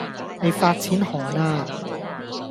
你發錢寒呀